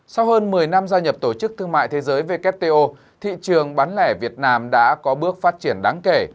sau hơn một mươi năm gia nhập tổ chức thương mại thế giới wto thị trường bán lẻ việt nam đã có bước phát triển đáng kể